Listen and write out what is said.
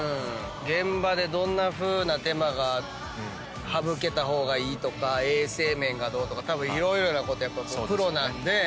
現場でどんなふうな手間が省けた方がいいとか衛生面がどうとかたぶん色々なことプロなんで。